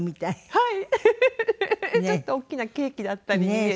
はい。